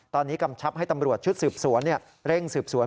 ตอนนี้กำชับให้ตำรวจชุดสืบสวนเร่งสืบสวน